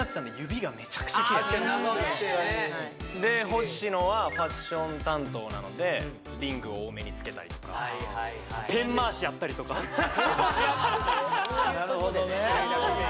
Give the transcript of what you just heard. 確かに長くてねで星野はファッション担当なのでリングを多めに着けたりとかペン回しやったりとかなるほどね